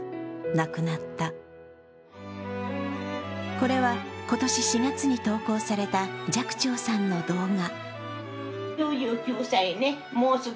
これは今年４月に投稿された寂聴さんの動画。